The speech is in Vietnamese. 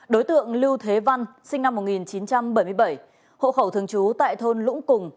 đối tượng lưu thế văn sinh năm một nghìn chín trăm bảy mươi bảy hộ khẩu thường trú tại thôn lũng cùng